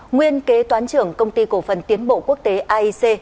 nguyên kế toán trưởng công ty cổ phần tiến bộ quốc tế aic